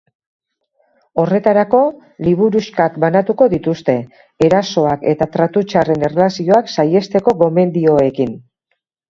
Horretarako, liburuxkak banatuko dituzte, erasoak eta tratu txarren erlazioak saihesteko gomendioekin.